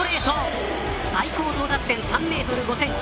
最高到達点３メートル５センチ。